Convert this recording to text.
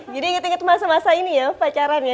jadi inget inget masa masa ini ya pacaran ya